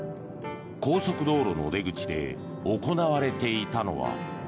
高速道路の出口で行われていたのは。